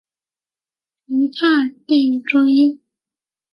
成泰帝追授勤政殿大学士。